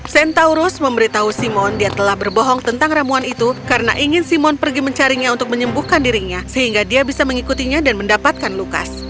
centaurus memberitahu simon dia telah berbohong tentang ramuan itu karena ingin simon pergi mencarinya untuk menyembuhkan dirinya sehingga dia bisa mengikutinya dan mendapatkan lukas